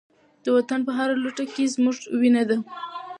د وطن په هره لوټه کې زموږ وینه ده.